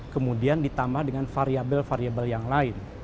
kemudian ditambah dengan variabel variabel yang lain